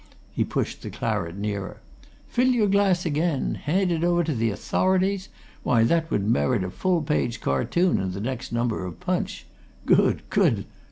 He pushed the claret nearer. "Fill your glass again! Hand it over to the authorities? Why, that would merit a full page cartoon in the next number of Punch. Good, good!